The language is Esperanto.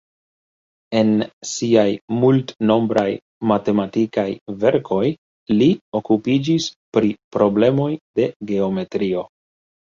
En siaj multnombraj matematikaj verkoj li okupiĝis pri problemoj de geometrio.